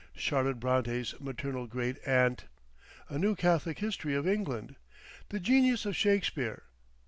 Charlotte Brontë's Maternal Great Aunt. A New Catholic History of England. The Genius of Shakespeare.